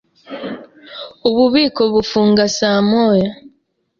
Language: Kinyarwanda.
Ububiko bufunga saa moya.